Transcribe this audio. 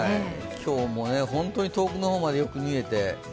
今日も本当に遠くの方までよく見えて。